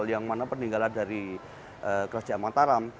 yang mana peninggalan dari kerajaan mataram